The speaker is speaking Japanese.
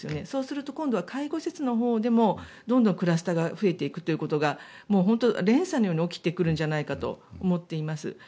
そうすると今度は介護施設のほうでもどんどんクラスターが増えていくというのが連鎖のように起きてくるんじゃないかと思っています。